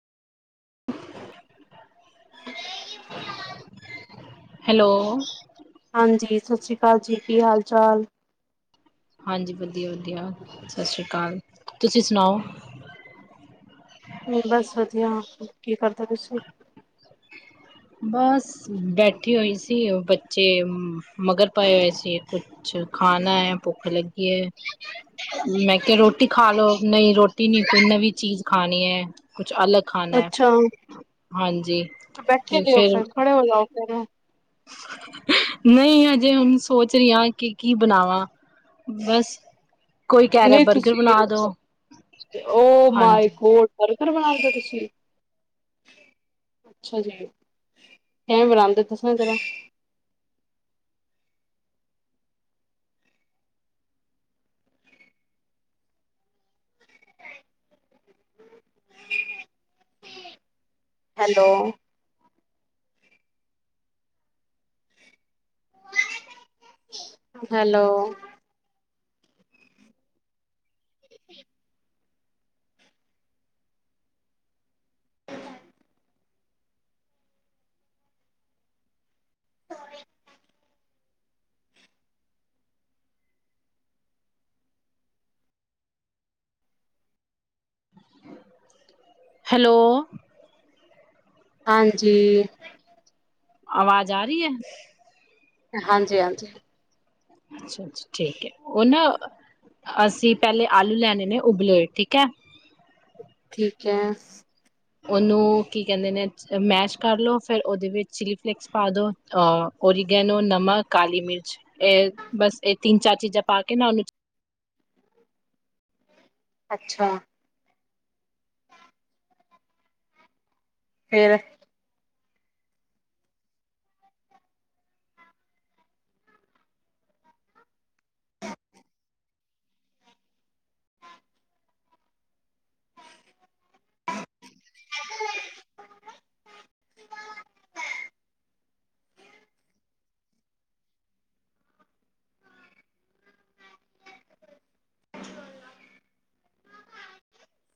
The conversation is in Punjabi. ਹੈਲੋ ਹਾਂਜੀ ਸਤਿ ਸ਼੍ਰੀ ਅਕਾਲ ਜੀ, ਕੀ ਹਾਲ ਚਾਲ। ਹਾਂਜੀ ਵਧੀਆ ਵਧੀਆ ਵਧੀਆ ਸਤਿ ਸ਼੍ਰੀ ਅਕਾਲ। ਤੁਸੀਂ ਸੁਣਾਓ। ਬਸ ਵਧੀਆ, ਕੀ ਕਰਦਾ ਤੁਸੀਂ ਬਸ ਬੈਠੀ ਹੋਈ ਸੀ, ਬੱਚੇ ਮਗਰ ਪਾਏ ਹੋਏ ਸੀ ਕੁ ਕੁਛ ਖਾਣਾ ਆ, ਭੁੱਖ ਲੱਗੀ ਆ। ਮੈਂ ਕਿਹਾ ਰੋਟੀ ਖਾ ਲੋ, ਨਹੀਂ ਰੋਟੀ ਨੀ ਕੋਈ ਨਵੀਂ ਚੀਜ਼ ਖਾਣੀ ਆ, ਹੈ ਕੁਛ ਅਲਗ ਖਾਣਾ ਆ, ਅੱਛਾ, ਹਾਂਜੀ ਤੇ ਫਿਰ ਬਰ ਨਹੀਂ ਹਜੇ ਹੁਣ ਸੋਚ ਰਹੀ ਹ ਕਿ ਕੀ ਬਣਾਵਾਂ ਬਸ ਕੋਈ ਕਹਿ ਰਿਹਾ ਨਹੀਂ ਬਰਗਰ ਬਣਾ ਦੋ ਤੁਸੀਂ ਉਹ ਮਾਇ ਹਾਂਜੀ ਗੋਡ ਘਰ ਬਣਾਓਗੇ ਤੁਸੀਂ ਅੱਛਾ ਜੀ ਕਿਵੇਂ ਬਣਾਦੇ ਦੱਸਨਾ ਜ਼ਰਾ ਹੈਲੋ ਹੈਲੋ [unintelligible] [unintelligible] ਹੈਲੋ ਹਾਂਜੀ ਆਵਾਜ਼ ਆ ਰਹੀ ਹੈ ਹਾਂਜੀ ਹਾਂਜੀ ਅੱਛਾ ਅੱਛਾ ਠੀਕ ਹੈ ਉਹਨਾਂ ਅਸੀਂ ਪਹਿਲੇ ਆਲੂ ਲੈਣੇ ਨੇ ਉਬਲੇ ਠੀਕ ਹੈ ਠੀਕ ਹੈ ਉਹਨੂੰ ਕੀ ਕਹਿੰਦੇ ਨੇ ਮੈਸ਼ ਕਰ ਲੋ ਫੇਿਰ ਉਹਦੇ ਵਿੱਚ ਚਿਲੀ ਫਲੇਕਸ ਪਾ ਦੋ ਓਰੀਗੈਨੋ ਨਮਕ ਕਾਲੀ ਮਿਰਚ ਇਹ ਬਸ ਇਹ ਤਿੰਨ ਚਾਰ ਚੀਜ਼ਾਂ ਪਾ ਕੇ ਨਾ ਉਹਨੂੰ ਅੱਛਾ ਫੇਰ